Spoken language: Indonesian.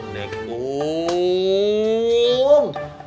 mampus deh kum